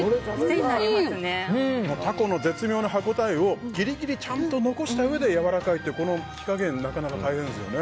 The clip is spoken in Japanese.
タコの絶妙な歯ごたえをギリギリ、ちゃんと残したうえでやわらかいっていうこの火加減なかなか大変ですよね。